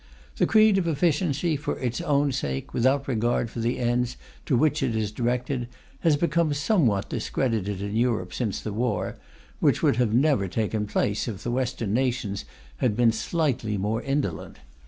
The creed of efficiency for its own sake, without regard for the ends to which it is directed, has become somewhat discredited in Europe since the war, which would have never taken place if the Western nations had been slightly more indolent.